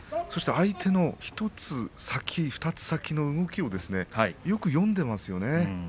相手の１つ２つ先の動きをよく読んでいますよね。